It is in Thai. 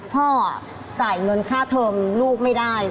พ่อจ่ายเงินค่าเทอมลูกไม่ได้